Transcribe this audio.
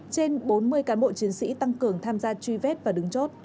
trên bốn mươi cán bộ chiến sĩ tăng cường tham gia truy vết và đứng chốt